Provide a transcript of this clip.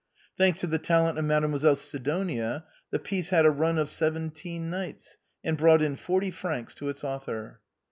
Thanks to the talent of Mademoiselle Sidonia, the piece had a run of seventeen nights, and brought in forty francs to its author.